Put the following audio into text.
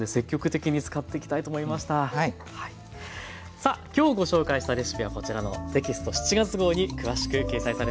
さあきょうご紹介したレシピはこちらのテキスト７月号に詳しく掲載されています。